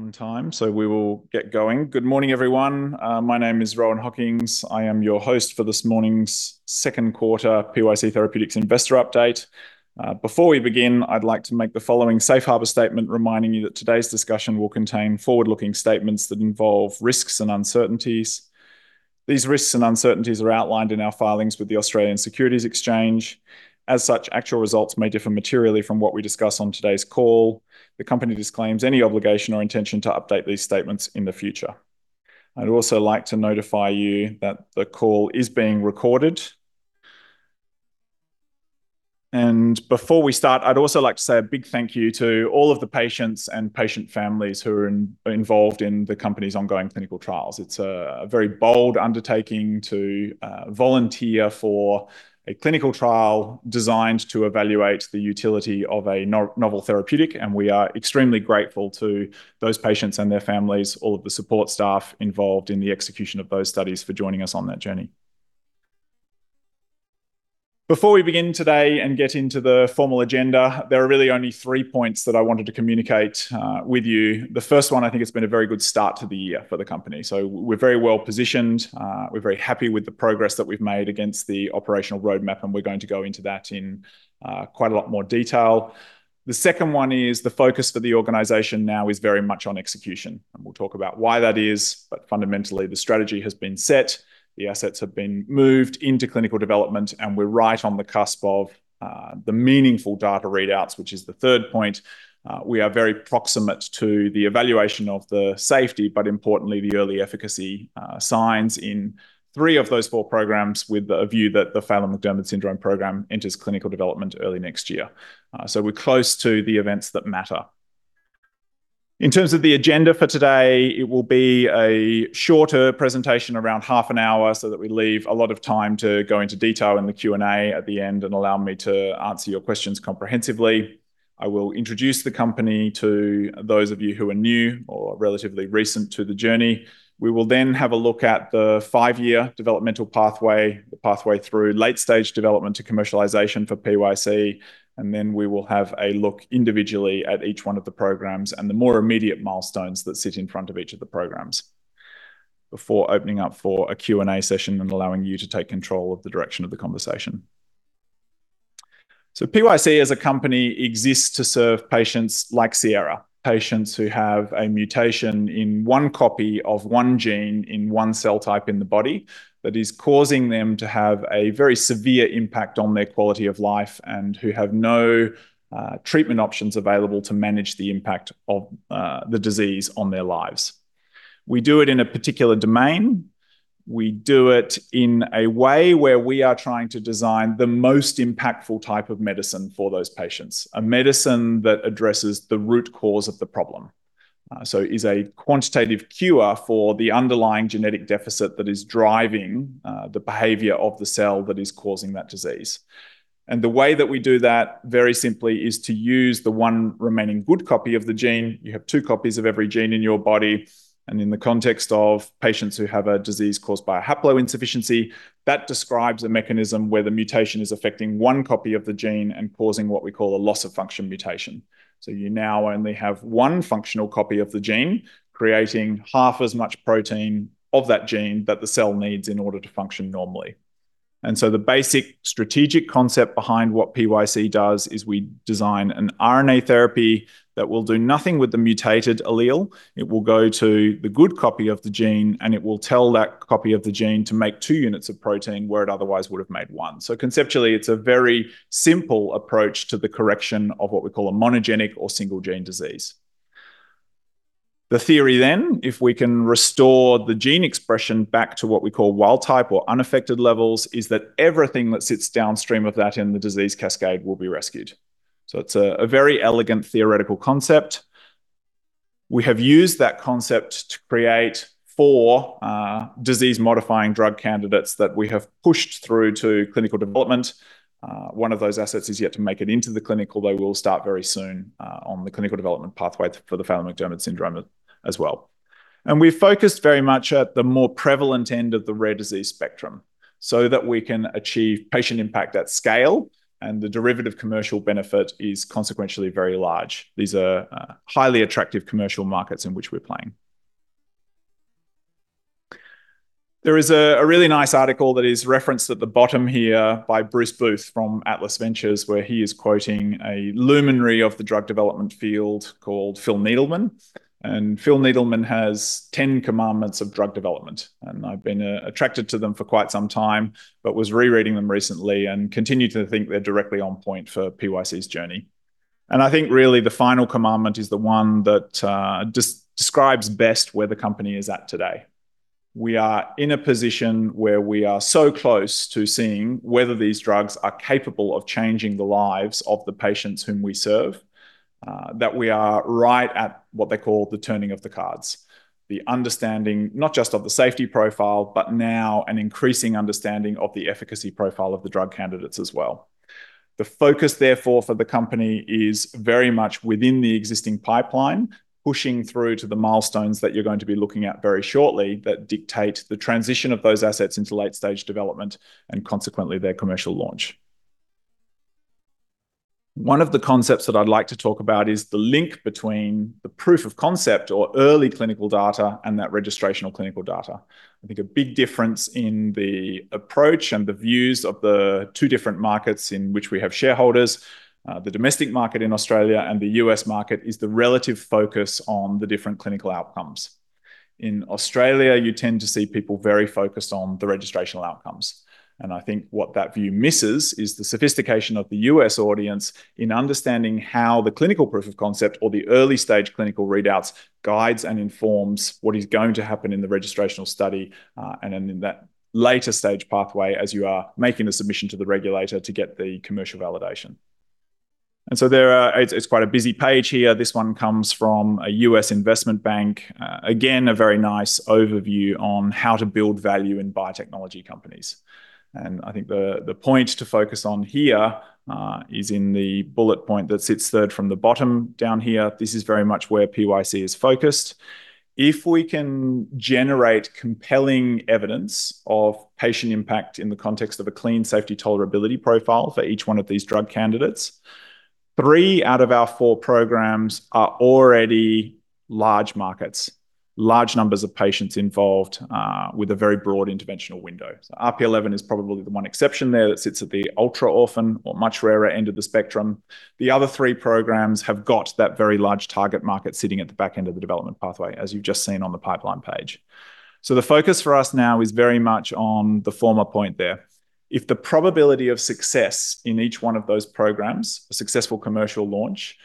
We are on time, we will get going. Good morning, everyone. My name is Rohan Hockings. I am your Host for this morning's second quarter PYC Therapeutics Investor Update. Before we begin, I'd like to make the following safe harbor statement reminding you that today's discussion will contain forward-looking statements that involve risks and uncertainties. These risks and uncertainties are outlined in our filings with the Australian Securities Exchange. As such, actual results may differ materially from what we discuss on today's call. The company disclaims any obligation or intention to update these statements in the future. I'd also like to notify you that the call is being recorded. Before we start, I'd also like to say a big thank you to all of the patients and patient families who are involved in the company's ongoing clinical trials. It's a very bold undertaking to volunteer for a clinical trial designed to evaluate the utility of a novel therapeutic, and we are extremely grateful to those patients and their families, all of the support staff involved in the execution of those studies for joining us on that journey. Before we begin today and get into the formal agenda, there are really only three points that I wanted to communicate with you. The first one, I think it's been a very good start to the year for the company. We're very well positioned. We're very happy with the progress that we've made against the operational roadmap, and we're going to go into that in quite a lot more detail. The second one is the focus for the organization now is very much on execution. We will talk about why that is, but fundamentally, the strategy has been set, the assets have been moved into clinical development. We are right on the cusp of the meaningful data readouts, which is the third point. We are very proximate to the evaluation of the safety, but importantly, the early efficacy signs in three of those four programs with a view that the Phelan-McDermid syndrome program enters clinical development early next year. We are close to the events that matter. In terms of the agenda for today, it will be a shorter presentation, around half an hour, so that we leave a lot of time to go into detail in the Q&A at the end and allow me to answer your questions comprehensively. I will introduce the company to those of you who are new or relatively recent to the journey. We will then have a look at the five-year developmental pathway, the pathway through late-stage development to commercialization for PYC, and then we will have a look individually at each one of the programs and the more immediate milestones that sit in front of each of the programs before opening up for a Q&A session and allowing you to take control of the direction of the conversation. PYC as a company exists to serve patients like Sierra, patients who have a mutation in one copy of one gene in one cell type in the body that is causing them to have a very severe impact on their quality of life and who have no treatment options available to manage the impact of the disease on their lives. We do it in a particular domain. We do it in a way where we are trying to design the most impactful type of medicine for those patients, a medicine that addresses the root cause of the problem. Is a quantitative cure for the underlying genetic deficit that is driving the behavior of the cell that is causing that disease. The way that we do that, very simply, is to use the one remaining good copy of the gene. You have two copies of every gene in your body, and in the context of patients who have a disease caused by a haploinsufficiency, that describes a mechanism where the mutation is affecting one copy of the gene and causing what we call a loss-of-function mutation. You now only have one functional copy of the gene, creating half as much protein of that gene that the cell needs in order to function normally. The basic strategic concept behind what PYC does is we design an RNA therapy that will do nothing with the mutated allele. It will go to the good copy of the gene, and it will tell that copy of the gene to make two units of protein where it otherwise would have made one. Conceptually, it's a very simple approach to the correction of what we call a monogenic or single-gene disease. The theory then, if we can restore the gene expression back to what we call wild type or unaffected levels, is that everything that sits downstream of that in the disease cascade will be rescued. It's a very elegant theoretical concept. We have used that concept to create four disease-modifying drug candidates that we have pushed through to clinical development. One of those assets is yet to make it into the clinic, although we'll start very soon on the clinical development pathway for the Phelan-McDermid syndrome as well. We're focused very much at the more prevalent end of the rare disease spectrum so that we can achieve patient impact at scale, and the derivative commercial benefit is consequentially very large. These are highly attractive commercial markets in which we're playing. There is a really nice article that is referenced at the bottom here by Bruce Booth from Atlas Venture, where he is quoting a luminary of the drug development field called Phil Needleman. Phil Needleman has 10 commandments of drug development, I've been attracted to them for quite some time, was rereading them recently and continue to think they're directly on point for PYC's journey. I think really the final commandment is the one that describes best where the company is at today. We are in a position where we are so close to seeing whether these drugs are capable of changing the lives of the patients whom we serve, that we are right at what they call the turning of the cards. The understanding not just of the safety profile, but now an increasing understanding of the efficacy profile of the drug candidates as well. The focus, therefore, for the company is very much within the existing pipeline, pushing through to the milestones that you're going to be looking at very shortly that dictate the transition of those assets into late-stage development and consequently their commercial launch. One of the concepts that I'd like to talk about is the link between the proof of concept or early clinical data and that registrational clinical data. I think a big difference in the approach and the views of the two different markets in which we have shareholders, the domestic market in Australia and the U.S. market, is the relative focus on the different clinical outcomes. In Australia, you tend to see people very focused on the registrational outcomes. I think what that view misses is the sophistication of the U.S. audience in understanding how the clinical proof of concept or the early-stage clinical readouts guides and informs what is going to happen in the registrational study, and then in that later stage pathway as you are making the submission to the regulator to get the commercial validation. It's quite a busy page here. This one comes from a U.S. investment bank. Again, a very nice overview on how to build value in biotechnology companies. I think the point to focus on here is in the bullet point that sits third from the bottom down here. This is very much where PYC is focused. If we can generate compelling evidence of patient impact in the context of a clean safety tolerability profile for each one of these drug candidates, three out of our four programs are already large markets, large numbers of patients involved, with a very broad interventional window. RP11 is probably the one exception there that sits at the ultra-orphan or much rarer end of the spectrum. The other three programs have got that very large target market sitting at the back end of the development pathway, as you've just seen on the pipeline page. The focus for us now is very much on the former point there. If the probability of success in each one of those programs, a successful commercial launch,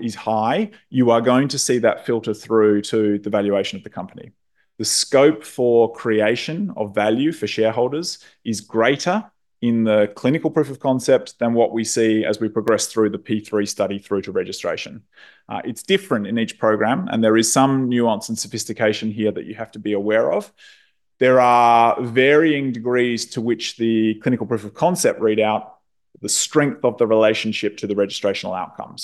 is high, you are going to see that filter through to the valuation of the company. The scope for creation of value for shareholders is greater in the clinical proof of concept than what we see as we progress through the phase III study through to registration. There is some nuance and sophistication here that you have to be aware of. There are varying degrees to which the clinical proof of concept readout, the strength of the relationship to the registrational outcome.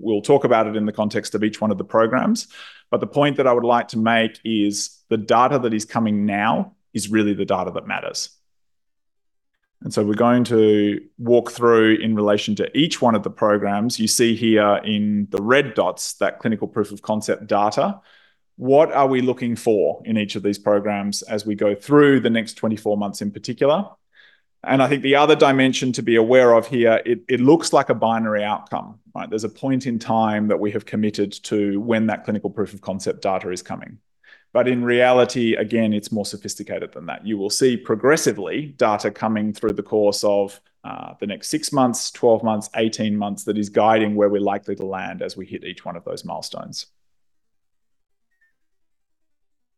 We'll talk about it in the context of each one of the programs. The point that I would like to make is the data that is coming now is really the data that matters. We're going to walk through in relation to each one of the programs. You see here in the red dots that clinical proof of concept data, what are we looking for in each of these programs as we go through the next 24 months in particular? I think the other dimension to be aware of here, it looks like a binary outcome, right? There's a point in time that we have committed to when that clinical proof of concept data is coming. In reality, again, it's more sophisticated than that. You will see progressively data coming through the course of the next six months, 12 months, 18 months, that is guiding where we're likely to land as we hit each one of those milestones.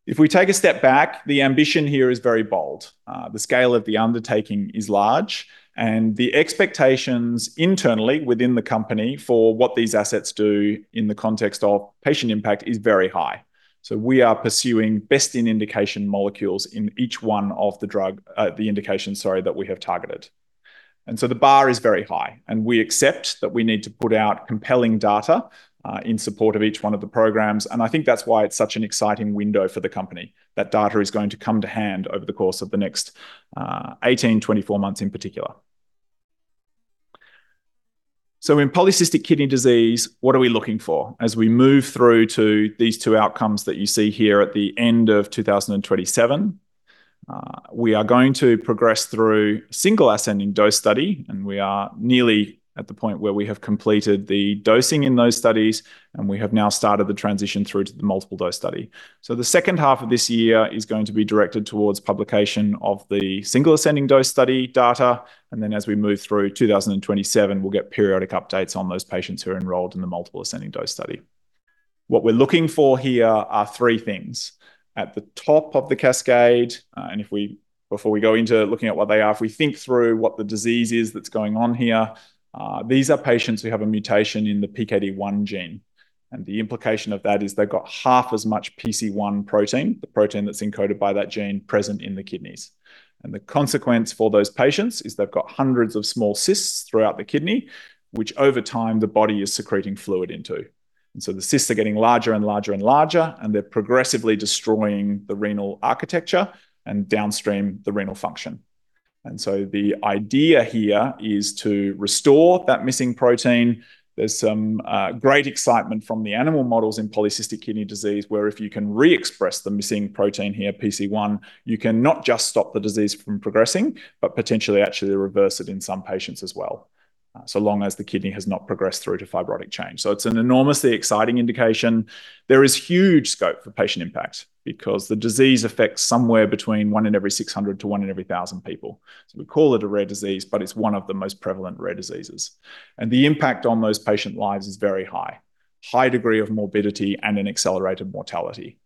If we take a step back, the ambition here is very bold. The scale of the undertaking is large, and the expectations internally within the company for what these assets do in the context of patient impact is very high. We are pursuing best in indication molecules in each one of the indication, sorry, that we have targeted. The bar is very high, and we accept that we need to put out compelling data in support of each one of the programs. I think that's why it's such an exciting window for the company. That data is going to come to hand over the course of the next 18 to 24 months in particular. In polycystic kidney disease, what are we looking for? As we move through to these two outcomes that you see here at the end of 2027, we are going to progress through single ascending dose study, and we are nearly at the point where we have completed the dosing in those studies, and we have now started the transition through to the multiple dose study. The second half of this year is going to be directed towards publication of the single ascending dose study data. Then as we move through 2027, we'll get periodic updates on those patients who are enrolled in the multiple ascending dose study. What we're looking for here are three things. At the top of the cascade, and before we go into looking at what they are, if we think through what the disease is that's going on here, these are patients who have a mutation in the PKD1 gene. The implication of that is they've got half as much PC1 protein, the protein that's encoded by that gene present in the kidneys. The consequence for those patients is they've got hundreds of small cysts throughout the kidney, which over time the body is secreting fluid into. The cysts are getting larger and larger and larger, and they're progressively destroying the renal architecture and downstream the renal function. The idea here is to restore that missing protein. There's some great excitement from the animal models in polycystic kidney disease, where if you can re-express the missing protein here, PC1, you can not just stop the disease from progressing, but potentially actually reverse it in some patients as well, so long as the kidney has not progressed through to fibrotic change. It's an enormously exciting indication. There is huge scope for patient impact because the disease affects somewhere between 1 in every 600 to 1 in every 1,000 people. We call it a rare disease, but it's one of the most prevalent rare diseases. The impact on those patient lives is very high. High degree of morbidity and an accelerated mortality.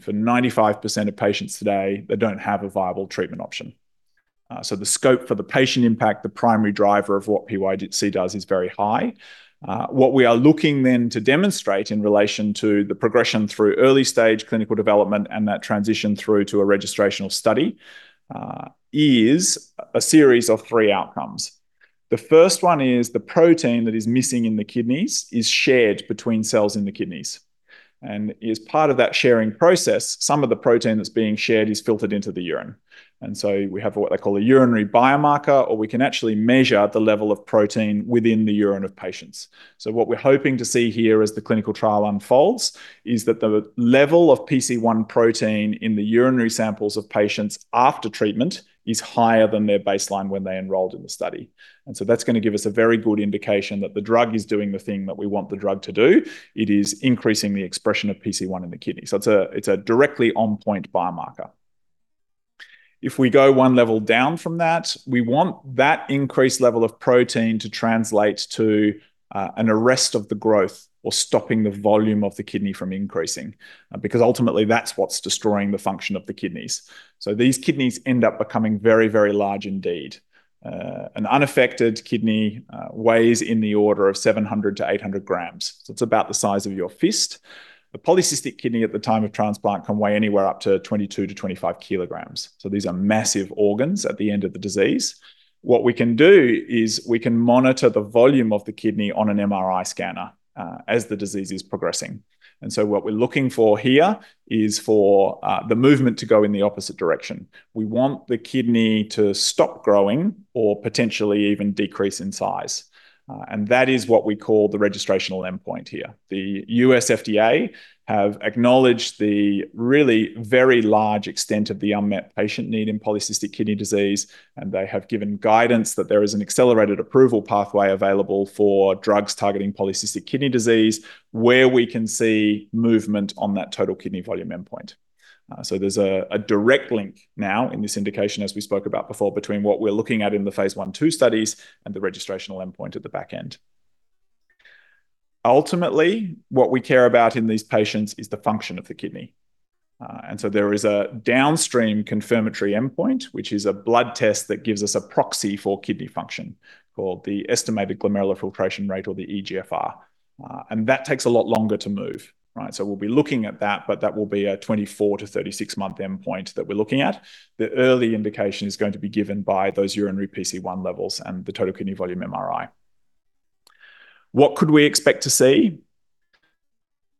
For 95% of patients today, they don't have a viable treatment option. The scope for the patient impact, the primary driver of what PYC does is very high. What we are looking then to demonstrate in relation to the progression through early-stage clinical development and that transition through to a registrational study, is a series of three outcomes. The first one is the protein that is missing in the kidneys is shared between cells in the kidneys, and as part of that sharing process, some of the protein that's being shared is filtered into the urine. We have what they call a urinary biomarker, or we can actually measure the level of protein within the urine of patients. What we're hoping to see here as the clinical trial unfolds is that the level of PC1 protein in the urinary samples of patients after treatment is higher than their baseline when they enrolled in the study. That's going to give us a very good indication that the drug is doing the thing that we want the drug to do. It is increasing the expression of PC1 in the kidney. It's a directly on-point biomarker. If we go one level down from that, we want that increased level of protein to translate to an arrest of the growth or stopping the volume of the kidney from increasing. Because ultimately, that's what's destroying the function of the kidneys. These kidneys end up becoming very, very large indeed. An unaffected kidney weighs in the order of 700 grams-800 grams. It's about the size of your fist. A polycystic kidney at the time of transplant can weigh anywhere up to 22 kg-25 kg. These are massive organs at the end of the disease. What we can do is we can monitor the volume of the kidney on an MRI scanner as the disease is progressing. What we're looking for here is for the movement to go in the opposite direction. We want the kidney to stop growing or potentially even decrease in size. That is what we call the registrational endpoint here. The U.S. FDA have acknowledged the really very large extent of the unmet patient need in polycystic kidney disease, and they have given guidance that there is an accelerated approval pathway available for drugs targeting polycystic kidney disease, where we can see movement on that total kidney volume endpoint. There's a direct link now in this indication, as we spoke about before, between what we're looking at in the phase I, II studies and the registrational endpoint at the back end. Ultimately, what we care about in these patients is the function of the kidney. There is a downstream confirmatory endpoint, which is a blood test that gives us a proxy for kidney function called the estimated glomerular filtration rate or the eGFR. That takes a lot longer to move, right? We'll be looking at that, but that will be a 24 month-36 month endpoint that we're looking at. The early indication is going to be given by those urinary PC1 levels and the total kidney volume MRI. What could we expect to see?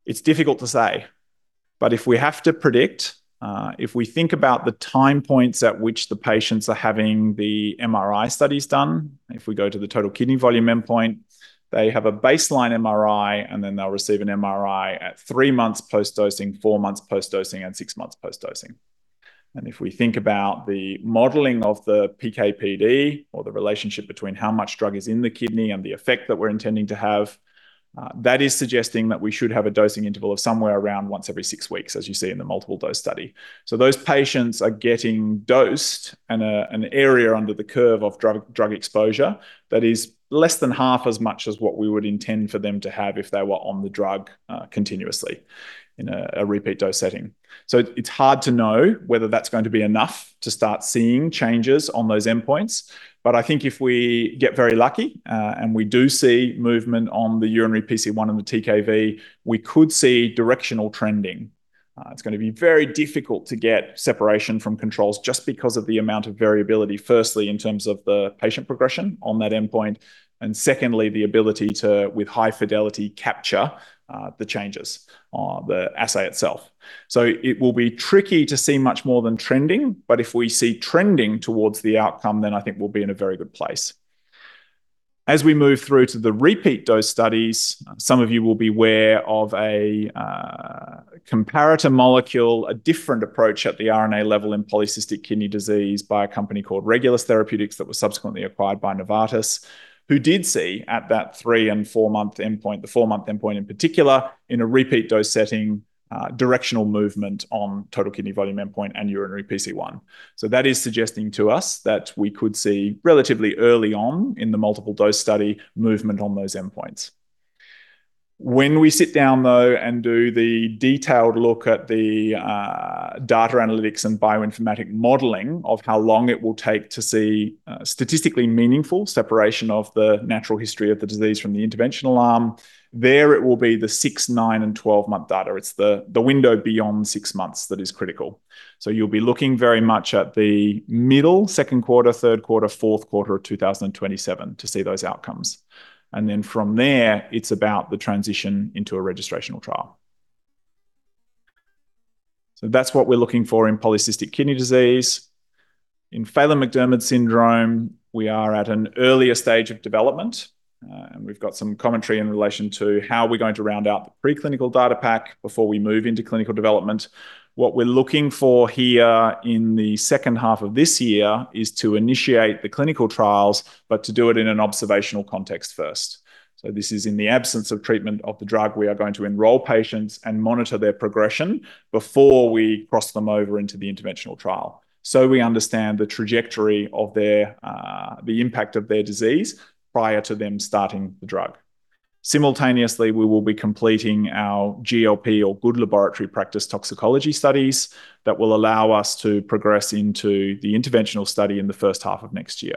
It's difficult to say, but if we have to predict, if we think about the time points at which the patients are having the MRI studies done, if we go to the total kidney volume endpoint, they have a baseline MRI, and then they'll receive an MRI at three months post-dosing, four months post-dosing, and six months post-dosing. If we think about the modeling of the PKPD or the relationship between how much drug is in the kidney and the effect that we're intending to have, that is suggesting that we should have a dosing interval of somewhere around once every six weeks, as you see in the multiple dose study. Those patients are getting dosed in an area under the curve of drug exposure that is less than half as much as what we would intend for them to have if they were on the drug continuously in a repeat dose setting. It's hard to know whether that's going to be enough to start seeing changes on those endpoints. I think if we get very lucky, and we do see movement on the urinary PC1 and the TKV, we could see directional trending. It's going to be very difficult to get separation from controls just because of the amount of variability, firstly, in terms of the patient progression on that endpoint, and secondly, the ability to, with high fidelity, capture the changes on the assay itself. It will be tricky to see much more than trending, but if we see trending towards the outcome, then I think we'll be in a very good place. As we move through to the repeat dose studies, some of you will be aware of a comparator molecule, a different approach at the RNA level in polycystic kidney disease by a company called Regulus Therapeutics that was subsequently acquired by Novartis, who did see at that three and four-month endpoint, the four-month endpoint in particular, in a repeat dose setting, directional movement on total kidney volume endpoint and urinary PC1. That is suggesting to us that we could see relatively early on in the multiple dose study movement on those endpoints. When we sit down, though, and do the detailed look at the data analytics and bioinformatic modeling of how long it will take to see statistically meaningful separation of the natural history of the disease from the interventional arm. There, it will be the six, nine, and 12-month data. It's the window beyond six months that is critical. You'll be looking very much at the middle, second quarter, third quarter, fourth quarter of 2027 to see those outcomes. From there, it's about the transition into a registrational trial. That's what we're looking for in polycystic kidney disease. In Phelan-McDermid syndrome, we are at an earlier stage of development. We've got some commentary in relation to how we're going to round out the preclinical data pack before we move into clinical development. What we're looking for here in the second half of this year is to initiate the clinical trials, but to do it in an observational context first. This is in the absence of treatment of the drug. We are going to enroll patients and monitor their progression before we cross them over into the interventional trial. We understand the trajectory of the impact of their disease prior to them starting the drug. Simultaneously, we will be completing our GLP or Good Laboratory Practice toxicology studies that will allow us to progress into the interventional study in the first half of next year.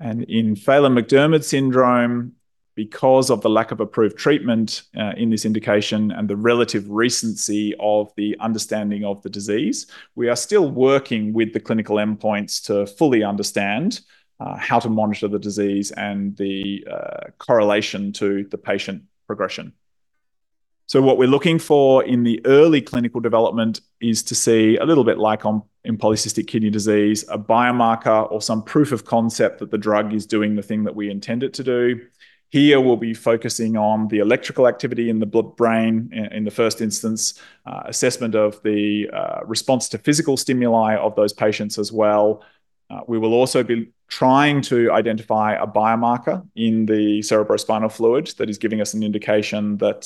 In Phelan-McDermid syndrome, because of the lack of approved treatment in this indication and the relative recency of the understanding of the disease, we are still working with the clinical endpoints to fully understand how to monitor the disease and the correlation to the patient progression. What we're looking for in the early clinical development is to see a little bit like in polycystic kidney disease, a biomarker or some proof of concept that the drug is doing the thing that we intend it to do. Here we'll be focusing on the electrical activity in the brain in the first instance, assessment of the response to physical stimuli of those patients as well. We will also be trying to identify a biomarker in the cerebrospinal fluid that is giving us an indication that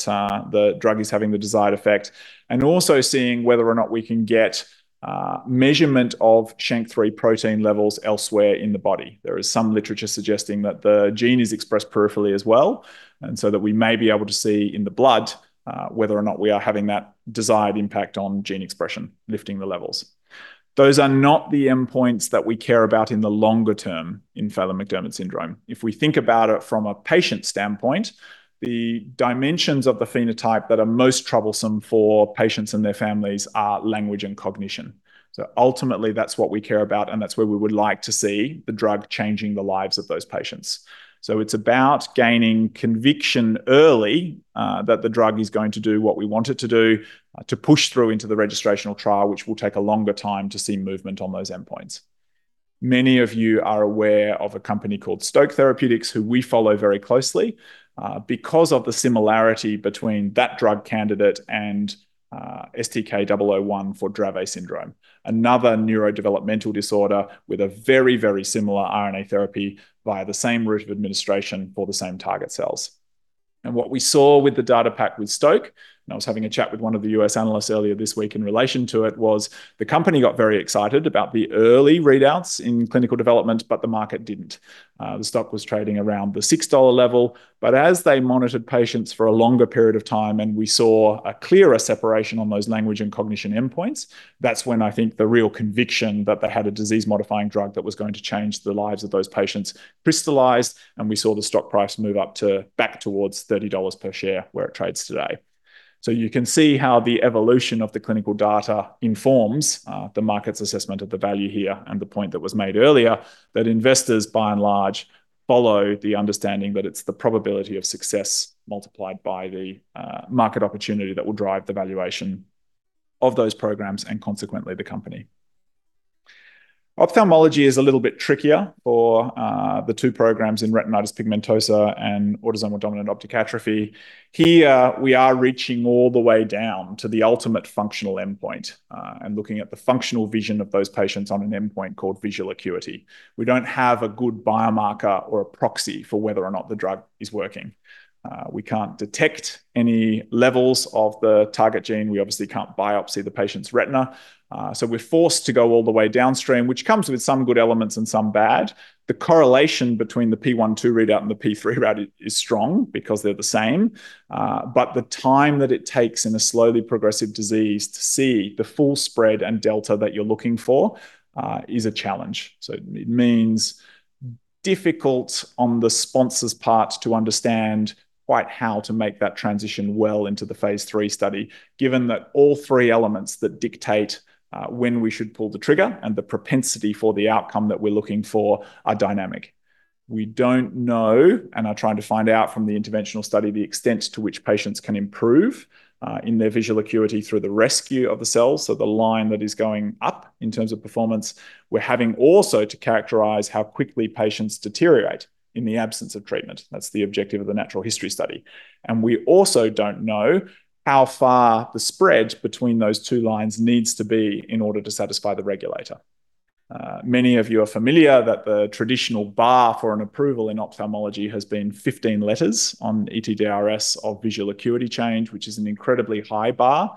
the drug is having the desired effect, and also seeing whether or not we can get measurement of SHANK3 protein levels elsewhere in the body. There is some literature suggesting that the gene is expressed peripherally as well, and so that we may be able to see in the blood whether or not we are having that desired impact on gene expression, lifting the levels. Those are not the endpoints that we care about in the longer term in Phelan-McDermid syndrome. If we think about it from a patient standpoint, the dimensions of the phenotype that are most troublesome for patients and their families are language and cognition. Ultimately, that's what we care about, and that's where we would like to see the drug changing the lives of those patients. It's about gaining conviction early that the drug is going to do what we want it to do to push through into the registrational trial, which will take a longer time to see movement on those endpoints. Many of you are aware of a company called Stoke Therapeutics, who we follow very closely because of the similarity between that drug candidate and STK-001 for Dravet syndrome, another neurodevelopmental disorder with a very, very similar RNA therapy via the same route of administration for the same target cells. What we saw with the data pack with Stoke, and I was having a chat with one of the U.S. analysts earlier this week in relation to it, was the company got very excited about the early readouts in clinical development. The market didn't. The stock was trading around the AUD six level. As they monitored patients for a longer period of time and we saw a clearer separation on those language and cognition endpoints, that is when I think the real conviction that they had a disease-modifying drug that was going to change the lives of those patients crystallized, and we saw the stock price move up to back towards 30 dollars per share, where it trades today. You can see how the evolution of the clinical data informs the market's assessment of the value here, and the point that was made earlier that investors by and large follow the understanding that it's the probability of success multiplied by the market opportunity that will drive the valuation of those programs and consequently the company. Ophthalmology is a little bit trickier for the two programs in retinitis pigmentosa and autosomal dominant optic atrophy. Here we are reaching all the way down to the ultimate functional endpoint and looking at the functional vision of those patients on an endpoint called visual acuity. We don't have a good biomarker or a proxy for whether or not the drug is working. We can't detect any levels of the target gene. We obviously can't biopsy the patient's retina. We're forced to go all the way downstream, which comes with some good elements and some bad. The correlation between the phase I/II readout and the phase III readout is strong because they're the same. The time that it takes in a slowly progressive disease to see the full spread and delta that you're looking for is a challenge. It means difficult on the sponsor's part to understand quite how to make that transition well into the phase III study, given that all three elements that dictate when we should pull the trigger and the propensity for the outcome that we're looking for are dynamic. We don't know, and are trying to find out from the interventional study, the extent to which patients can improve in their visual acuity through the rescue of the cells, the line that is going up in terms of performance. We're having also to characterize how quickly patients deteriorate in the absence of treatment. That's the objective of the natural history study. We also don't know how far the spread between those two lines needs to be in order to satisfy the regulator. Many of you are familiar that the traditional bar for an approval in ophthalmology has been 15 letters on ETDRS of visual acuity change, which is an incredibly high bar.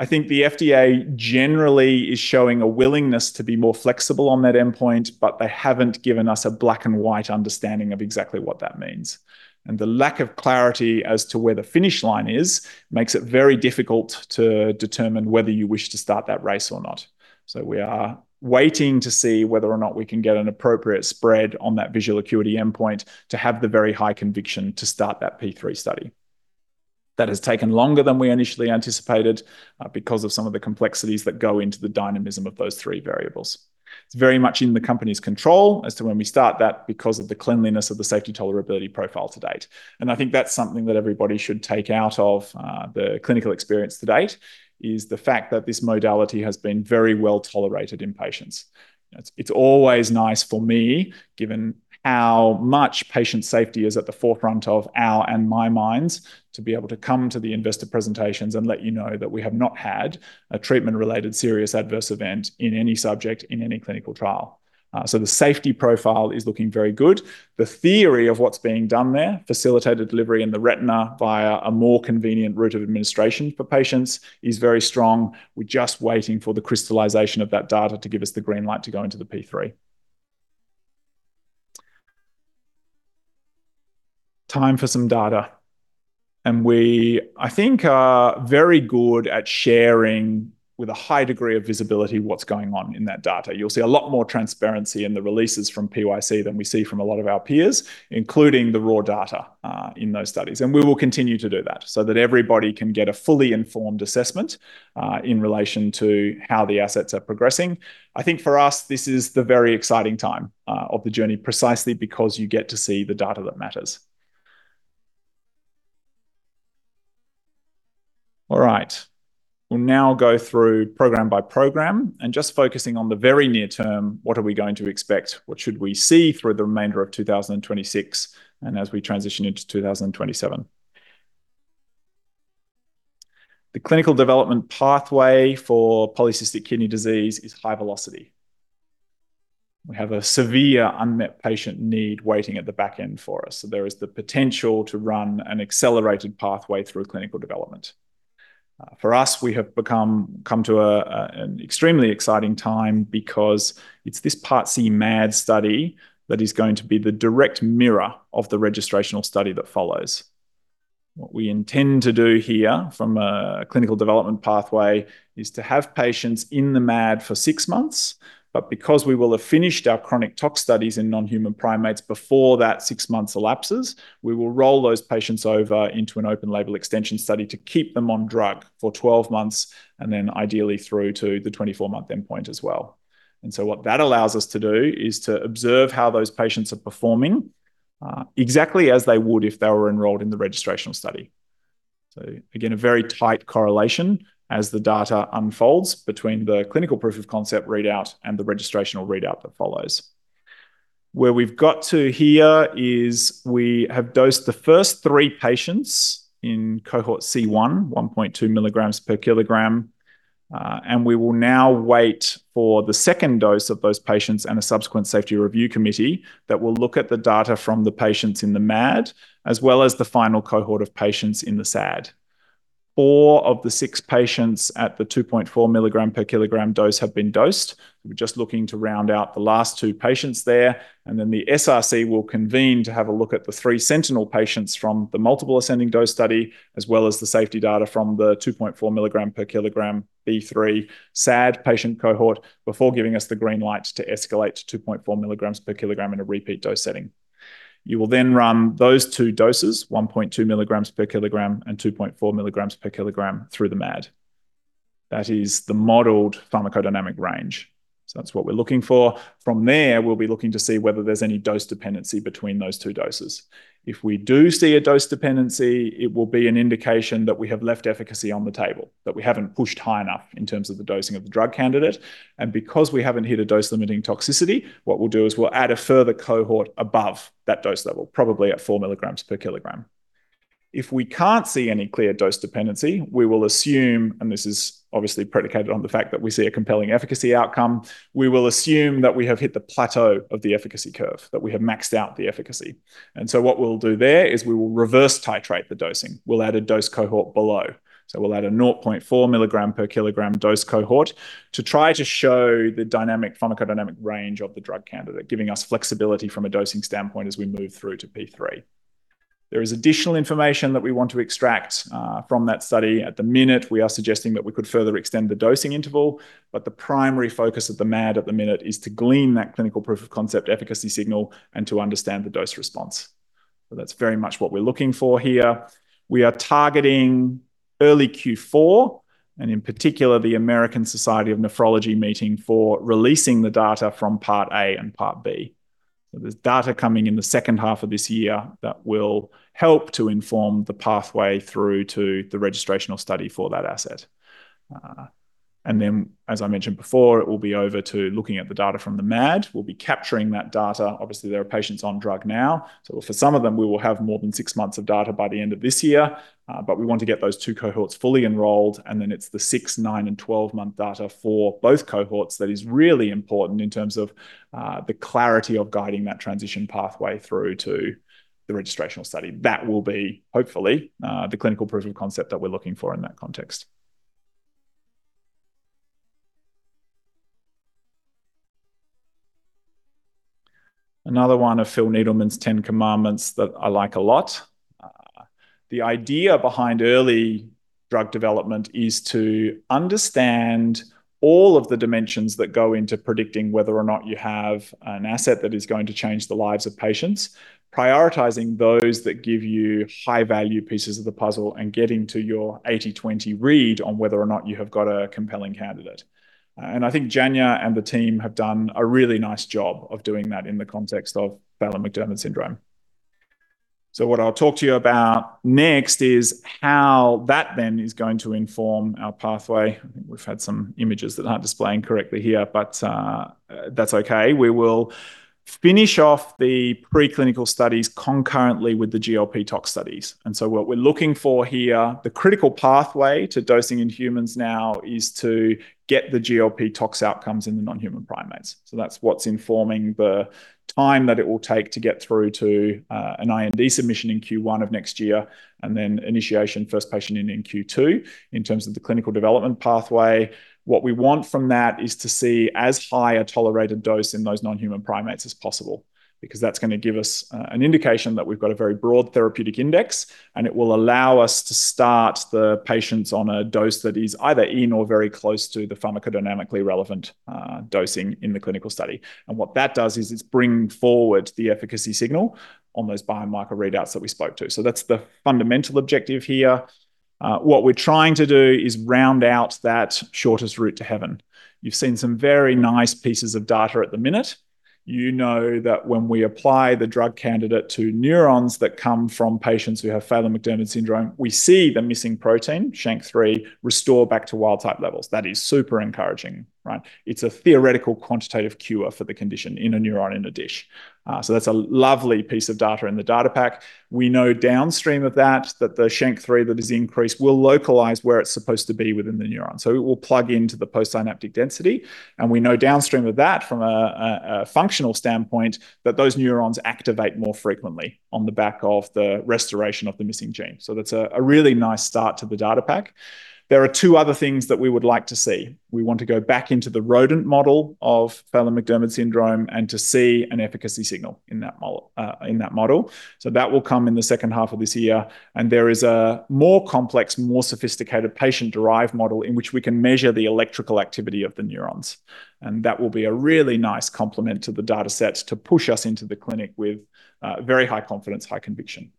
I think the FDA generally is showing a willingness to be more flexible on that endpoint, they haven't given us a black-and-white understanding of exactly what that means. The lack of clarity as to where the finish line is makes it very difficult to determine whether you wish to start that race or not. We are waiting to see whether or not we can get an appropriate spread on that visual acuity endpoint to have the very high conviction to start that phase III study. That has taken longer than we initially anticipated because of some of the complexities that go into the dynamism of those three variables. It's very much in the company's control as to when we start that because of the cleanliness of the safety tolerability profile to date. I think that's something that everybody should take out of the clinical experience to date, is the fact that this modality has been very well tolerated in patients. It's always nice for me, given how much patient safety is at the forefront of our and my minds, to be able to come to the investor presentations and let you know that we have not had a treatment-related serious adverse event in any subject in any clinical trial. The safety profile is looking very good. The theory of what's being done there, facilitated delivery in the retina via a more convenient route of administration for patients, is very strong. We're just waiting for the crystallization of that data to give us the green light to go into the phase III for some data. We, I think, are very good at sharing with a high degree of visibility what's going on in that data. You'll see a lot more transparency in the releases from PYC than we see from a lot of our peers, including the raw data, in those studies. We will continue to do that so that everybody can get a fully informed assessment in relation to how the assets are progressing. I think for us, this is the very exciting time of the journey, precisely because you get to see the data that matters. All right. We'll now go through program by program and just focusing on the very near term, what are we going to expect? What should we see through the remainder of 2026 and as we transition into 2027? The clinical development pathway for polycystic kidney disease is high velocity. We have a severe unmet patient need waiting at the back end for us. There is the potential to run an accelerated pathway through clinical development. For us, we have come to an extremely exciting time because it's this Part C MAD study that is going to be the direct mirror of the registrational study that follows. What we intend to do here from a clinical development pathway is to have patients in the MAD for 6 months, but because we will have finished our chronic tox studies in non-human primates before that 6 months elapses, we will roll those patients over into an open label extension study to keep them on drug for 12 months and then ideally through to the 24-month endpoint as well. What that allows us to do is to observe how those patients are performing, exactly as they would if they were enrolled in the registrational study. Again, a very tight correlation as the data unfolds between the clinical proof of concept readout and the registrational readout that follows. Where we've got to here is we have dosed the first 3 patients in cohort C1, 1.2 mg/kg. We will now wait for the second dose of those patients and a subsequent safety review committee that will look at the data from the patients in the MAD, as well as the final cohort of patients in the SAD. 4 of the 6 patients at the 2.4 mg/kg dose have been dosed. We're just looking to round out the last 2 patients there, then the SRC will convene to have a look at the 3 sentinel patients from the multiple ascending dose study, as well as the safety data from the 2.4 milligrams per kilogram B3 SAD patient cohort before giving us the green light to escalate to 2.4 milligrams per kilogram in a repeat dose setting. You will run those 2 doses, 1.2 milligrams per kilogram and 2.4 milligrams per kilogram through the MAD. That is the modeled pharmacodynamic range. That's what we're looking for. From there, we'll be looking to see whether there's any dose dependency between those 2 doses. If we do see a dose dependency, it will be an indication that we have left efficacy on the table, that we haven't pushed high enough in terms of the dosing of the drug candidate. Because we haven't hit a dose-limiting toxicity, what we'll do is we'll add a further cohort above that dose level, probably at 4 milligrams per kilogram. If we can't see any clear dose dependency, we will assume, and this is obviously predicated on the fact that we see a compelling efficacy outcome, we will assume that we have hit the plateau of the efficacy curve, that we have maxed out the efficacy. What we'll do there is we will reverse titrate the dosing. We'll add a dose cohort below. We'll add a 0.4 mg/kg dose cohort to try to show the dynamic pharmacodynamic range of the drug candidate, giving us flexibility from a dosing standpoint as we move through to phase III. There is additional information that we want to extract from that study. We are suggesting that we could further extend the dosing interval, but the primary focus of the MAD is to glean that clinical proof of concept efficacy signal and to understand the dose response. That's very much what we're looking for here. We are targeting early Q4, and in particular, the American Society of Nephrology meeting for releasing the data from Part A and Part B. There's data coming in the second half of this year that will help to inform the pathway through to the registrational study for that asset. As I mentioned before, it will be over to looking at the data from the MAD. We'll be capturing that data. Obviously, there are patients on drug now. For some of them, we will have more than six months of data by the end of this year. We want to get those two cohorts fully enrolled, and then it's the six, nine, and 12-month data for both cohorts that is really important in terms of the clarity of guiding that transition pathway through to the registrational study. That will be, hopefully, the clinical proof of concept that we're looking for in that context. Another one of Phil Needleman's 10 Commandments that I like a lot. The idea behind early drug development is to understand all of the dimensions that go into predicting whether or not you have an asset that is going to change the lives of patients, prioritizing those that give you high-value pieces of the puzzle and getting to your 80/20 read on whether or not you have got a compelling candidate. I think Janya and the team have done a really nice job of doing that in the context of Bardet-Biedl syndrome. What I'll talk to you about next is how that then is going to inform our pathway. I think we've had some images that aren't displaying correctly here, but that's okay. We will finish off the preclinical studies concurrently with the GLP tox studies. What we're looking for here, the critical pathway to dosing in humans now is to get the GLP tox outcomes in the non-human primates. That's what's informing the time that it will take to get through to an IND submission in Q1 of next year, and then initiation first patient in in Q2. In terms of the clinical development pathway, what we want from that is to see as high a tolerated dose in those non-human primates as possible, because that's going to give us an indication that we've got a very broad therapeutic index, and it will allow us to start the patients on a dose that is either in or very close to the pharmacodynamically relevant dosing in the clinical study. What that does is it's bringing forward the efficacy signal on those biomarker readouts that we spoke to. That is the fundamental objective here. What we're trying to do is round out that shortest route to heaven. You've seen some very nice pieces of data at the minute. You know that when we apply the drug candidate to neurons that come from patients who have Phelan-McDermid syndrome, we see the missing protein, SHANK3, restore back to wild type levels. That is super encouraging, right? It's a theoretical quantitative cure for the condition in a neuron in a dish. That is a lovely piece of data in the data pack. We know downstream of that the SHANK3 that is increased will localize where it's supposed to be within the neuron. It will plug into the postsynaptic density, and we know downstream of that from a functional standpoint, that those neurons activate more frequently on the back of the restoration of the missing gene. That's a really nice start to the data pack. There are two other things that we would like to see. We want to go back into the rodent model of Phelan-McDermid syndrome and to see an efficacy signal in that model. That will come in the second half of this year, and there is a more complex, more sophisticated patient-derived model in which we can measure the electrical activity of the neurons. That will be a really nice complement to the data sets to push us into the clinic with very high confidence, high conviction.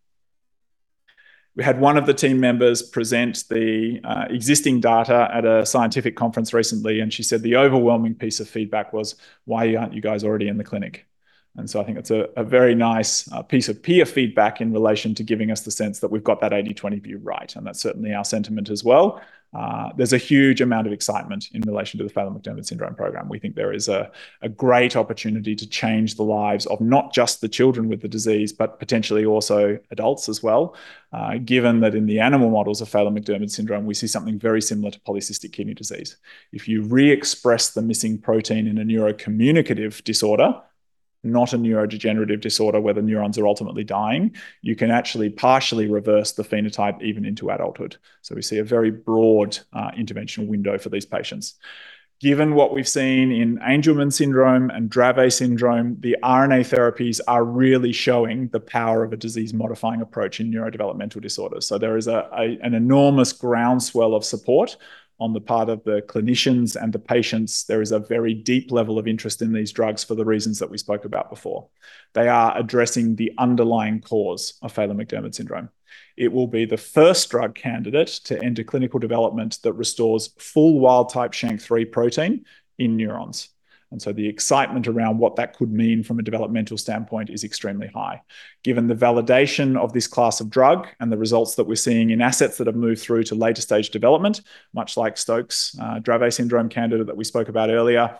We had one of the team members present the existing data at a scientific conference recently, and she said the overwhelming piece of feedback was, "Why aren't you guys already in the clinic?" I think it's a very nice piece of peer feedback in relation to giving us the sense that we've got that 80/20 view right, and that's certainly our sentiment as well. There's a huge amount of excitement in relation to the Phelan-McDermid syndrome program. We think there is a great opportunity to change the lives of not just the children with the disease, but potentially also adults as well. Given that in the animal models of Phelan-McDermid syndrome, we see something very similar to polycystic kidney disease. If you re-express the missing protein in a neurocommunicative disorder, not a neurodegenerative disorder where the neurons are ultimately dying, you can actually partially reverse the phenotype even into adulthood. We see a very broad interventional window for these patients. Given what we've seen in Angelman syndrome and Dravet syndrome, the RNA therapies are really showing the power of a disease-modifying approach in neurodevelopmental disorders. There is an enormous groundswell of support on the part of the clinicians and the patients. There is a very deep level of interest in these drugs for the reasons that we spoke about before. They are addressing the underlying cause of Phelan-McDermid syndrome. It will be the first drug candidate to enter clinical development that restores full wild type SHANK3 protein in neurons. The excitement around what that could mean from a developmental standpoint is extremely high. Given the validation of this class of drug and the results that we're seeing in assets that have moved through to later stage development, much like Stoke's Dravet syndrome candidate that we spoke about earlier,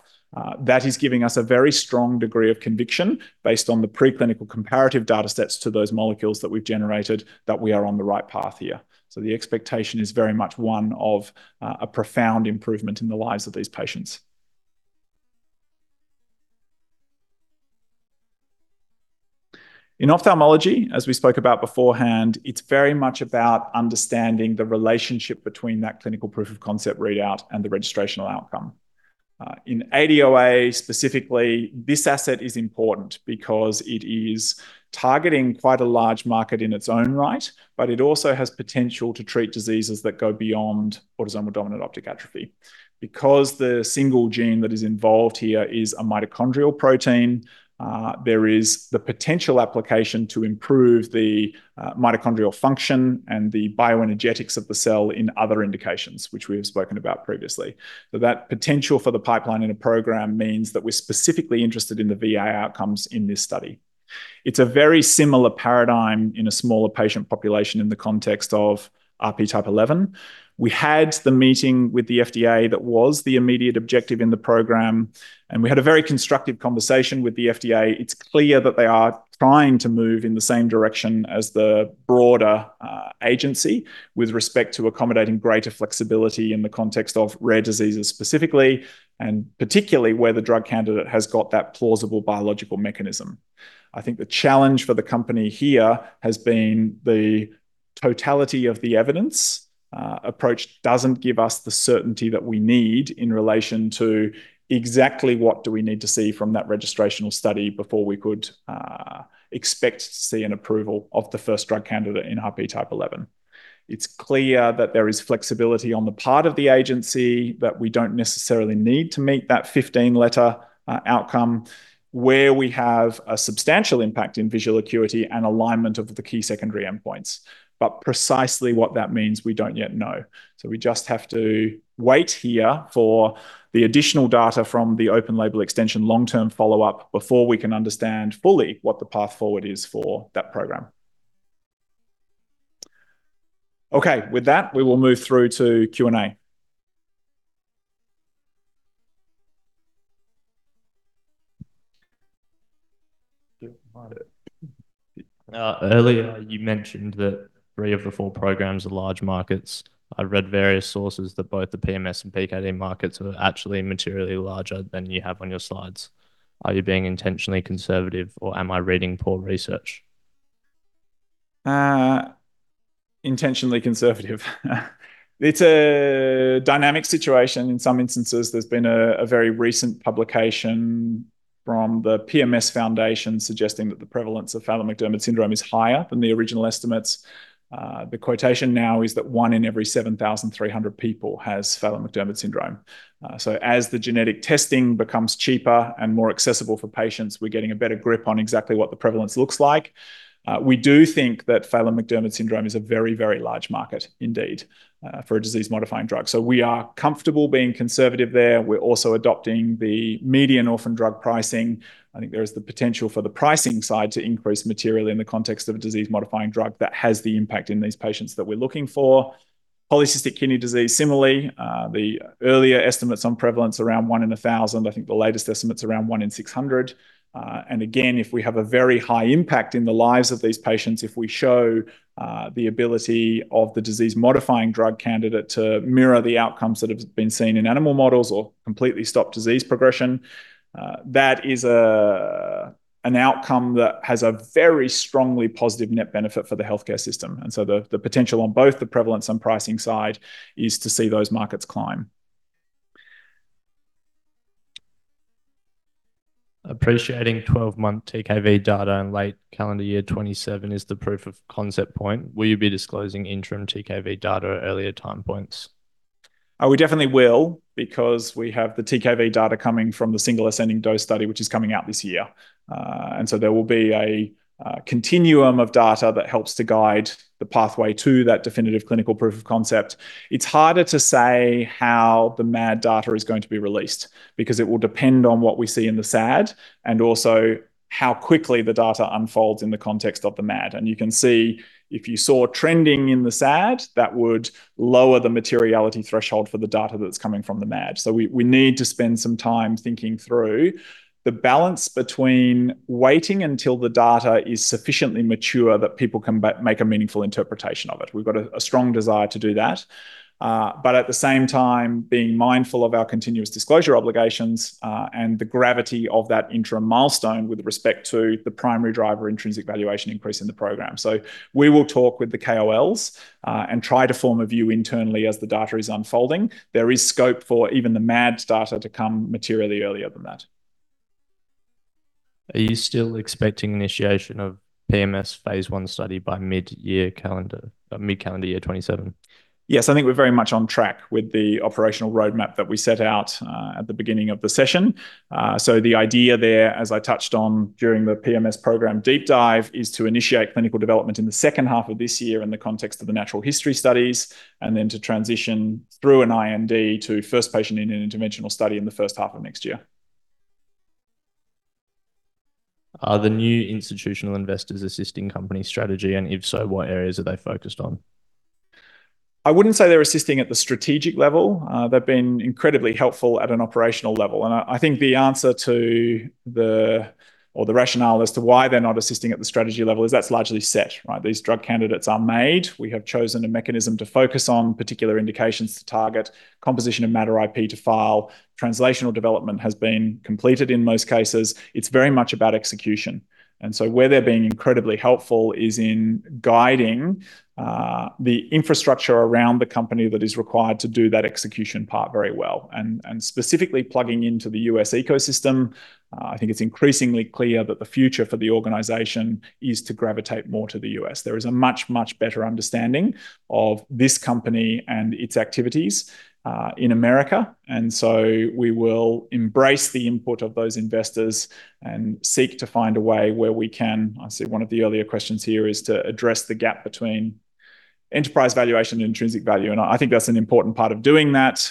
that is giving us a very strong degree of conviction based on the preclinical comparative data sets to those molecules that we've generated that we are on the right path here. The expectation is very much one of a profound improvement in the lives of these patients. In ophthalmology, as we spoke about beforehand, it's very much about understanding the relationship between that clinical proof of concept readout and the registrational outcome. In ADOA specifically, this asset is important because it is targeting quite a large market in its own right, but it also has potential to treat diseases that go beyond autosomal dominant optic atrophy. Because the single gene that is involved here is a mitochondrial protein, there is the potential application to improve the mitochondrial function and the bioenergetics of the cell in other indications, which we have spoken about previously. That potential for the pipeline in a program means that we're specifically interested in the VA outcomes in this study. It's a very similar paradigm in a smaller patient population in the context of RP type 11. We had the meeting with the FDA that was the immediate objective in the program, and we had a very constructive conversation with the FDA. It's clear that they are trying to move in the same direction as the broader agency with respect to accommodating greater flexibility in the context of rare diseases specifically, and particularly where the drug candidate has got that plausible biological mechanism. I think the challenge for the company here has been the totality of the evidence. Approach doesn't give us the certainty that we need in relation to exactly what do we need to see from that registrational study before we could expect to see an approval of the first drug candidate in RP type 11. It's clear that there is flexibility on the part of the agency, that we don't necessarily need to meet that 15-letter outcome where we have a substantial impact in visual acuity and alignment of the key secondary endpoints. Precisely what that means, we don't yet know. We just have to wait here for the additional data from the open label extension long-term follow-up before we can understand fully what the path forward is for that program. Okay, with that, we will move through to Q&A. Earlier, you mentioned that three of the four programs are large markets. I read various sources that both the PMS and PKD markets are actually materially larger than you have on your slides. Are you being intentionally conservative or am I reading poor research? Intentionally conservative. It's a dynamic situation. In some instances, there's been a very recent publication from the PMS Foundation suggesting that the prevalence of Phelan-McDermid syndrome is higher than the original estimates. The quotation now is that 1 in every 7,300 people has Phelan-McDermid syndrome. As the genetic testing becomes cheaper and more accessible for patients, we're getting a better grip on exactly what the prevalence looks like. We do think that Phelan-McDermid syndrome is a very, very large market indeed for a disease-modifying drug. We are comfortable being conservative there. We're also adopting the median orphan drug pricing. I think there is the potential for the pricing side to increase materially in the context of a disease-modifying drug that has the impact in these patients that we're looking for. Polycystic kidney disease, similarly, the earlier estimates on prevalence around 1 in 1,000, I think the latest estimate's around 1 in 600. Again, if we have a very high impact in the lives of these patients, if we show the ability of the disease-modifying drug candidate to mirror the outcomes that have been seen in animal models or completely stop disease progression, that is an outcome that has a very strongly positive net benefit for the healthcare system. The potential on both the prevalence and pricing side is to see those markets climb. Appreciating 12-month TKV data in late calendar year 2027 is the proof of concept point. Will you be disclosing interim TKV data at earlier time points? We definitely will, because we have the TKV data coming from the single ascending dose study, which is coming out this year. There will be a continuum of data that helps to guide the pathway to that definitive clinical proof of concept. It is harder to say how the MAD data is going to be released, because it will depend on what we see in the SAD and also how quickly the data unfolds in the context of the MAD. You can see if you saw trending in the SAD, that would lower the materiality threshold for the data that is coming from the MAD. We need to spend some time thinking through the balance between waiting until the data is sufficiently mature that people can make a meaningful interpretation of it. We have got a strong desire to do that. At the same time, being mindful of our continuous disclosure obligations, and the gravity of that interim milestone with respect to the primary driver intrinsic valuation increase in the program. We will talk with the KOLs, and try to form a view internally as the data is unfolding. There is scope for even the MAD data to come materially earlier than that. Are you still expecting initiation of PMS phase I study by mid calendar year 2027? Yes, I think we're very much on track with the operational roadmap that we set out at the beginning of the session. The idea there, as I touched on during the Phelan-McDermid syndrome program deep dive, is to initiate clinical development in the second half of this year in the context of the natural history studies, and then to transition through an IND to first patient in an interventional study in the first half of next year. Are the new institutional investors assisting company strategy, and if so, what areas are they focused on? I wouldn't say they're assisting at the strategic level. They've been incredibly helpful at an operational level, and I think the rationale as to why they're not assisting at the strategy level is that's largely set, right? These drug candidates are made. We have chosen a mechanism to focus on particular indications to target composition of matter IP to file. Translational development has been completed in most cases. It's very much about execution. Where they're being incredibly helpful is in guiding the infrastructure around the company that is required to do that execution part very well, and specifically plugging into the U.S. ecosystem. I think it's increasingly clear that the future for the organization is to gravitate more to the U.S. There is a much, much better understanding of this company and its activities in America, so we will embrace the input of those investors and seek to find a way where we can. I see one of the earlier questions here is to address the gap between enterprise valuation and intrinsic value, I think that's an important part of doing that.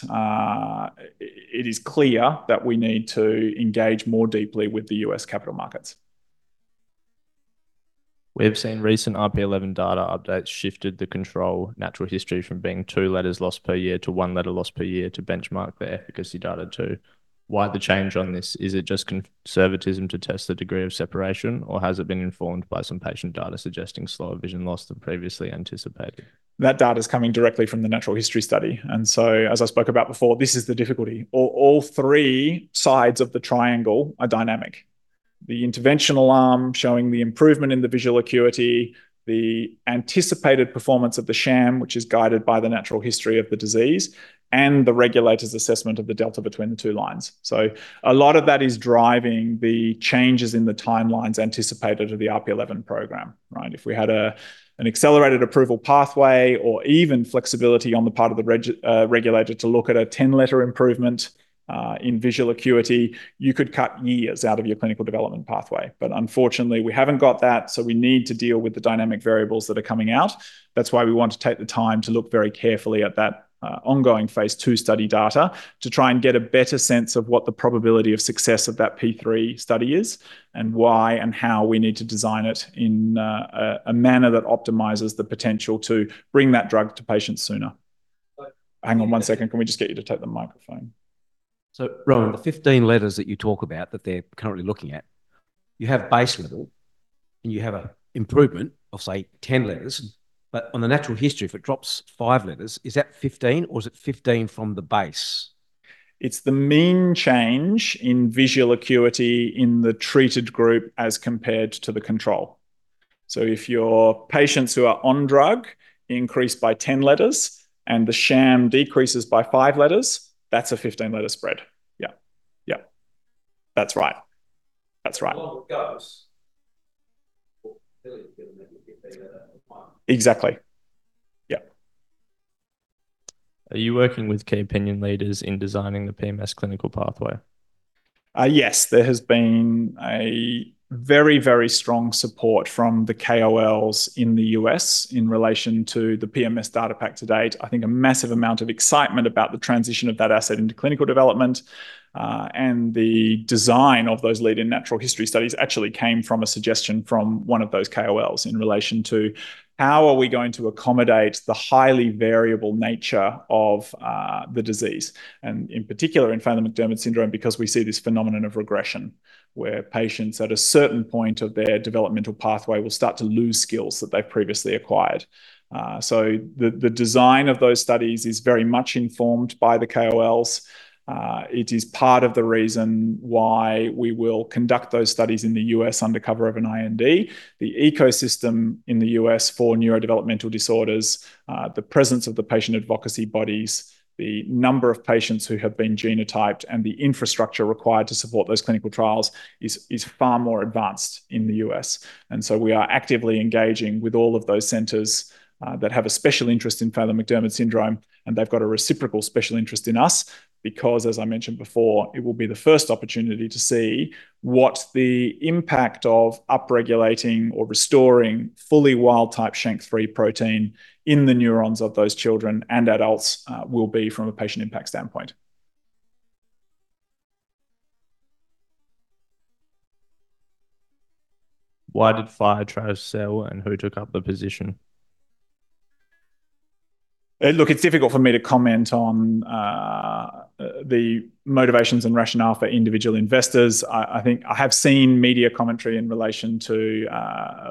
It is clear that we need to engage more deeply with the U.S. capital markets. We have seen recent RP11 data updates shifted the control natural history from being 2 letters lost per year to 1 letter lost per year to benchmark the efficacy data too. Why the change on this? Is it just conservatism to test the degree of separation, or has it been informed by some patient data suggesting slower vision loss than previously anticipated? That data's coming directly from the natural history study. As I spoke about before, this is the difficulty. All three sides of the triangle are dynamic. The interventional arm showing the improvement in the visual acuity, the anticipated performance of the sham, which is guided by the natural history of the disease, and the regulator's assessment of the delta between the two lines. A lot of that is driving the changes in the timelines anticipated of the RP11 program, right? If we had an accelerated approval pathway or even flexibility on the part of the regulator to look at a 10-letter improvement in visual acuity, you could cut years out of your clinical development pathway. Unfortunately, we haven't got that, we need to deal with the dynamic variables that are coming out. That's why we want to take the time to look very carefully at that ongoing phase II study data to try and get a better sense of what the probability of success of that phase III study is, and why and how we need to design it in a manner that optimizes the potential to bring that drug to patients sooner. Hang on one second. Can we just get you to take the microphone? Rohan, the 15 letters that you talk about that they're currently looking at, you have base level, and you have a improvement of, say, 10 letters. On the natural history, if it drops 5 letters, is that 15 or is it 15 from the base? It's the mean change in visual acuity in the treated group as compared to the control. If your patients who are on drug increase by 10 letters and the sham decreases by 5 letters, that's a 15-letter spread. Yeah. That's right. As long as it goes. Exactly. Yeah. Are you working with Key Opinion Leaders in designing the PMS clinical pathway? Yes. There has been very strong support from the KOLs in the U.S. in relation to the PMS data pack to date. I think a massive amount of excitement about the transition of that asset into clinical development, and the design of those lead-in natural history studies actually came from a suggestion from one of those KOLs in relation to how are we going to accommodate the highly variable nature of the disease, and in particular in Phelan-McDermid syndrome, because we see this phenomenon of regression where patients at a certain point of their developmental pathway will start to lose skills that they previously acquired. The design of those studies is very much informed by the KOLs. It is part of the reason why we will conduct those studies in the U.S. undercover of an IND. The ecosystem in the U.S. for neurodevelopmental disorders, the presence of the patient advocacy bodies, the number of patients who have been genotyped, and the infrastructure required to support those clinical trials is far more advanced in the U.S. We are actively engaging with all of those centers that have a special interest in Phelan-McDermid syndrome, and they've got a reciprocal special interest in us because, as I mentioned before, it will be the first opportunity to see what the impact of upregulating or restoring fully wild type SHANK3 protein in the neurons of those children and adults will be from a patient impact standpoint. Why did Firetrail sell, and who took up the position? Look, it's difficult for me to comment on the motivations and rationale for individual investors. I have seen media commentary in relation to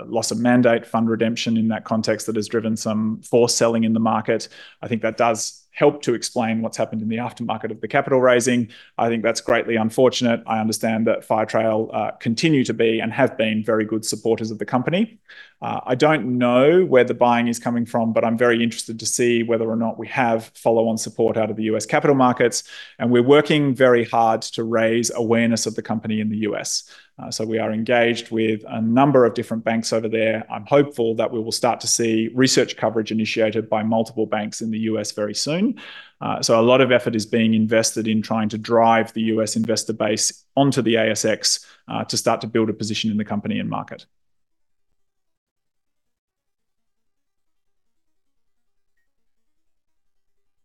loss of mandate, fund redemption in that context that has driven some forced selling in the market. I think that does help to explain what's happened in the aftermarket of the capital raising. I think that's greatly unfortunate. I understand that Firetrail continue to be and have been very good supporters of the company. I don't know where the buying is coming from, but I'm very interested to see whether or not we have follow-on support out of the U.S. capital markets, and we're working very hard to raise awareness of the company in the U.S. We are engaged with a number of different banks over there. I'm hopeful that we will start to see research coverage initiated by multiple banks in the U.S. very soon. A lot of effort is being invested in trying to drive the U.S. investor base onto the ASX to start to build a position in the company and market.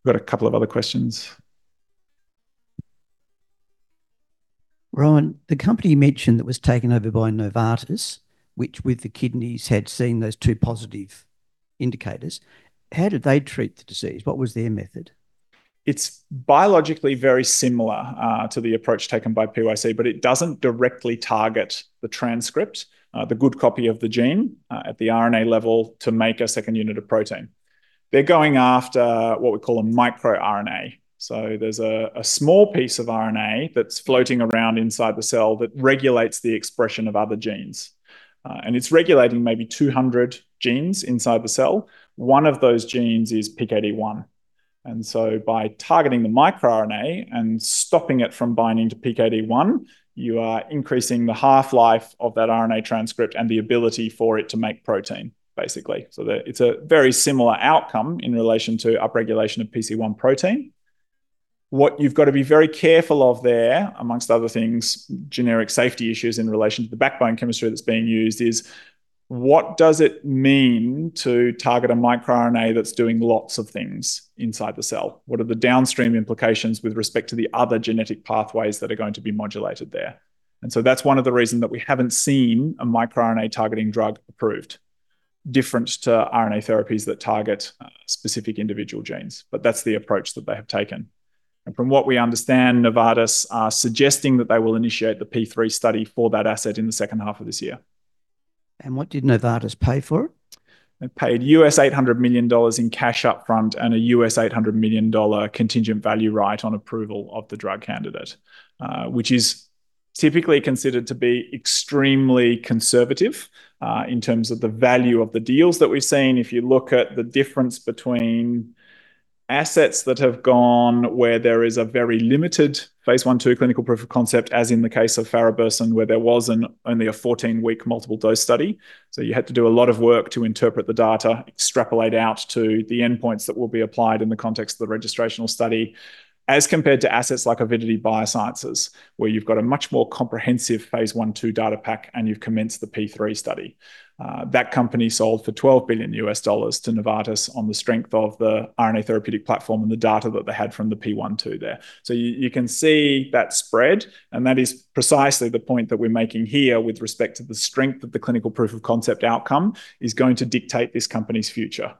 Got a couple of other questions. Rohan, the company you mentioned that was taken over by Novartis, which with the kidneys had seen those two positive indicators, how did they treat the disease? What was their method? It's biologically very similar to the approach taken by PYC. It doesn't directly target the transcript, the good copy of the gene at the RNA level to make a second unit of protein. They're going after what we call a microRNA. There's a small piece of RNA that's floating around inside the cell that regulates the expression of other genes. It's regulating maybe 200 genes inside the cell. One of those genes is PKD1. By targeting the microRNA and stopping it from binding to PKD1, you are increasing the half-life of that RNA transcript and the ability for it to make protein, basically. It's a very similar outcome in relation to upregulation of PC1 protein. What you've got to be very careful of there, amongst other things, generic safety issues in relation to the backbone chemistry that's being used is what does it mean to target a microRNA that's doing lots of things inside the cell? What are the downstream implications with respect to the other genetic pathways that are going to be modulated there? That's one of the reasons that we haven't seen a microRNA targeting drug approved different to RNA therapies that target specific individual genes. That's the approach that they have taken. From what we understand, Novartis are suggesting that they will initiate the phase III study for that asset in the second half of this year. What did Novartis pay for it? They paid U.S. $800 million in cash up front and a U.S. $800 million contingent value right on approval of the drug candidate, which is typically considered to be extremely conservative in terms of the value of the deals that we've seen. If you look at the difference between assets that have gone where there is a very limited phase I, II clinical proof of concept, as in the case of, where there was only a 14-week multiple dose study, so you had to do a lot of work to interpret the data, extrapolate out to the endpoints that will be applied in the context of the registrational study, as compared to assets like Avidity Biosciences, where you've got a much more comprehensive phase I, II data pack, and you've commenced the phase III study. That company sold for $12 billion to Novartis on the strength of the RNA therapeutic platform and the data that they had from the phase I, II there. You can see that spread, and that is precisely the point that we're making here with respect to the strength of the clinical proof of concept outcome is going to dictate this company's future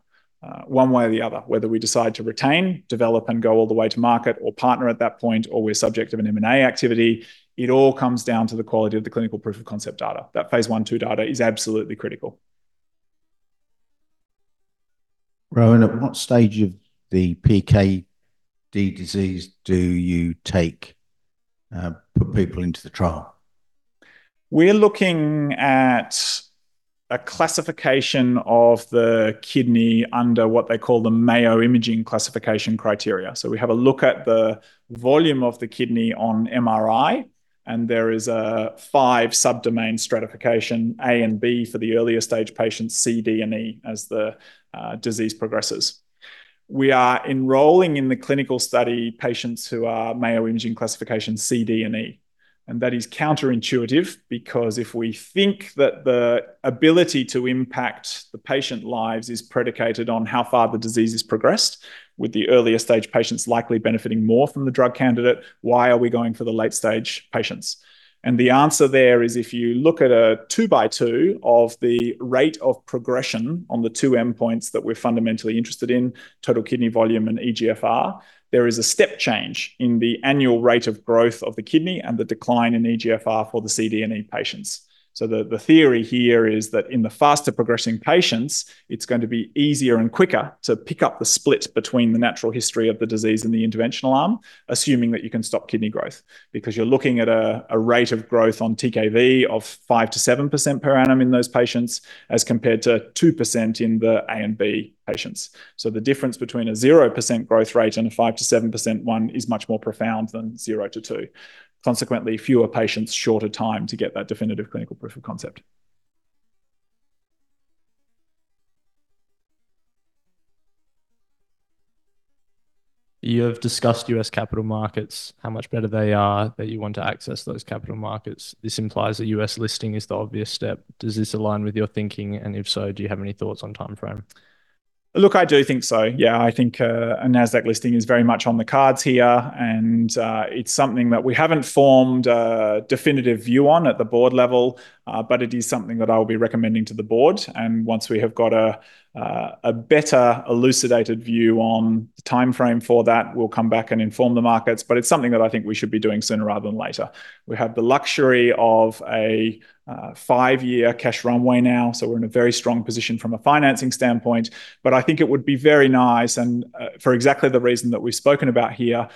one way or the other. Whether we decide to retain, develop, and go all the way to market or partner at that point, or we're subject of an M&A activity, it all comes down to the quality of the clinical proof of concept data. That phase I, II data is absolutely critical. Rohan, at what stage of the PKD disease do you put people into the trial? We're looking at a classification of the kidney under what they call the Mayo imaging classification criteria. We have a look at the volume of the kidney on MRI. And there is a five subdomain stratification, A and B for the earlier stage patients, C, D, and E as the disease progresses. We are enrolling in the clinical study patients who are Mayo imaging classification C, D, and E. That is counterintuitive, because if we think that the ability to impact the patient lives is predicated on how far the disease has progressed, with the earlier stage patients likely benefiting more from the drug candidate, why are we going for the late stage patients? The answer there is if you look at a two by two of the rate of progression on the two endpoints that we're fundamentally interested in, total kidney volume and eGFR, there is a step change in the annual rate of growth of the kidney and the decline in eGFR for the C, D, and E patients. The theory here is that in the faster progressing patients, it's going to be easier and quicker to pick up the split between the natural history of the disease and the interventional arm, assuming that you can stop kidney growth. You're looking at a rate of growth on TKV of 5%-7% per annum in those patients as compared to 2% in the A and B patients. The difference between a 0% growth rate and a 5%-7% one is much more profound than zero to two. Consequently, fewer patients, shorter time to get that definitive clinical proof of concept. You have discussed U.S. capital markets, how much better they are, that you want to access those capital markets. This implies that U.S. listing is the obvious step. Does this align with your thinking? If so, do you have any thoughts on timeframe? Look, I do think so. Yeah. I think a Nasdaq listing is very much on the cards here, and it's something that we haven't formed a definitive view on at the board level, but it is something that I will be recommending to the board. Once we have got a better elucidated view on the timeframe for that, we'll come back and inform the markets. It's something that I think we should be doing sooner rather than later. We have the luxury of a five-year cash runway now, so we're in a very strong position from a financing standpoint. I think it would be very nice, and for exactly the reason that we've spoken about here,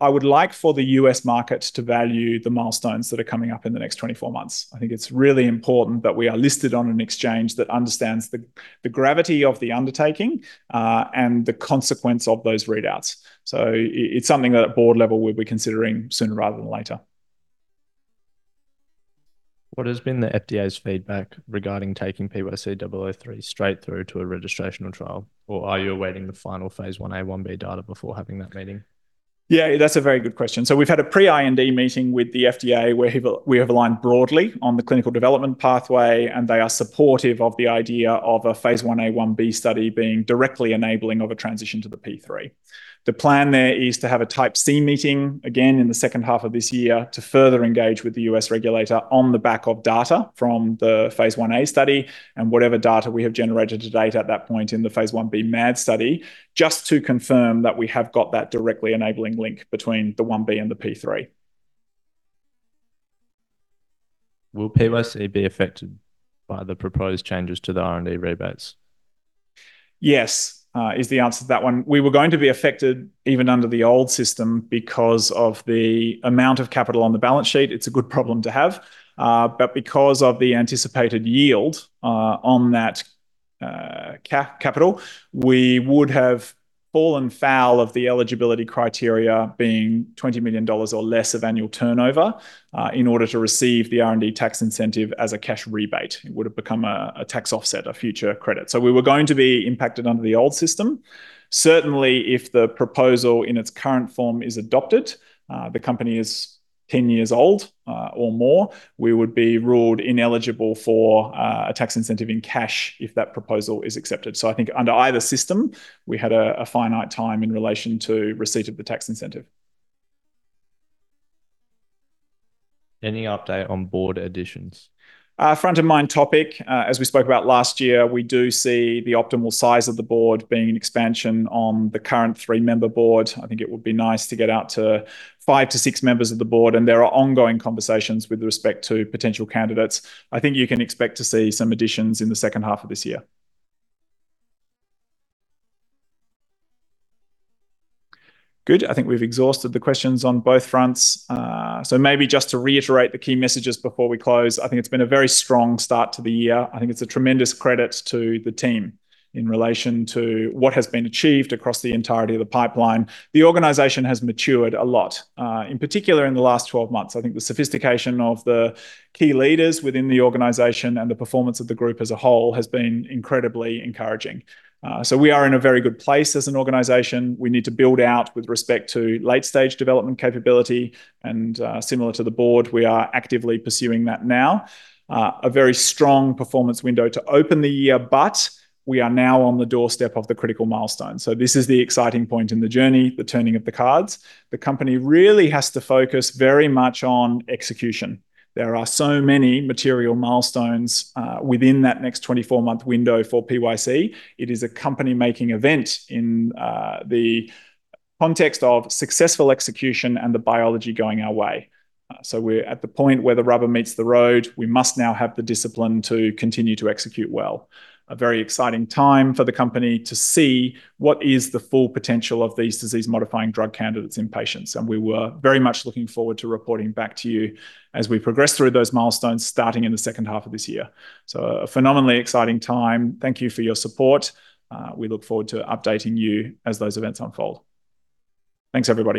I would like for the U.S. market to value the milestones that are coming up in the next 24 months. I think it's really important that we are listed on an exchange that understands the gravity of the undertaking, and the consequence of those readouts. It's something that at board level we'll be considering sooner rather than later. What has been the FDA's feedback regarding taking PYC-003 straight through to a registrational trial? Are you awaiting the final phase I-A/I-B data before having that meeting? Yeah, that's a very good question. We've had a pre-IND meeting with the FDA, where we have aligned broadly on the clinical development pathway, and they are supportive of the idea of a phase I-A/I-B study being directly enabling of a transition to the phase III. The plan there is to have a Type C meeting again in the second half of this year to further engage with the U.S. regulator on the back of data from the phase I-A study, and whatever data we have generated to date at that point in the phase I-B MAD study, just to confirm that we have got that directly enabling link between the phase I-B and the phase III. Will PYC be affected by the proposed changes to the R&D rebates? Yes, is the answer to that one. We were going to be affected even under the old system because of the amount of capital on the balance sheet. It's a good problem to have. Because of the anticipated yield on that capital, we would have fallen foul of the eligibility criteria being 20 million dollars or less of annual turnover, in order to receive the R&D tax incentive as a cash rebate. It would have become a tax offset, a future credit. We were going to be impacted under the old system. Certainly, if the proposal in its current form is adopted, the company is 10 years old or more. We would be ruled ineligible for a tax incentive in cash if that proposal is accepted. I think under either system, we had a finite time in relation to receipt of the tax incentive. Any update on board additions? Front of mind topic. As we spoke about last year, we do see the optimal size of the board being an expansion on the current three-member board. I think it would be nice to get out to five to six members of the board. There are ongoing conversations with respect to potential candidates. I think you can expect to see some additions in the second half of this year. Good. I think we've exhausted the questions on both fronts. Maybe just to reiterate the key messages before we close. I think it's been a very strong start to the year. I think it's a tremendous credit to the team in relation to what has been achieved across the entirety of the pipeline. The organization has matured a lot, in particular in the last 12 months. I think the sophistication of the key leaders within the organization and the performance of the group as a whole has been incredibly encouraging. We are in a very good place as an organization. We need to build out with respect to late-stage development capability, and, similar to the board, we are actively pursuing that now. A very strong performance window to open the year, but we are now on the doorstep of the critical milestone. This is the exciting point in the journey, the turning of the cards. The company really has to focus very much on execution. There are so many material milestones within that next 24-month window for PYC. It is a company making event in the context of successful execution and the biology going our way. We're at the point where the rubber meets the road. We must now have the discipline to continue to execute well. A very exciting time for the company to see what is the full potential of these disease-modifying drug candidates in patients. We are very much looking forward to reporting back to you as we progress through those milestones, starting in the second half of this year. A phenomenally exciting time. Thank you for your support. We look forward to updating you as those events unfold. Thanks, everybody